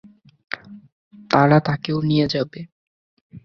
তারা তাকেও নিয়ে যাবে।